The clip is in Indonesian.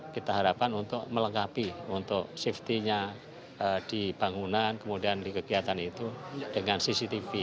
kita harapkan untuk melengkapi untuk safety nya di bangunan kemudian di kegiatan itu dengan cctv